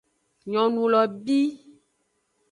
Nyonu lo bi.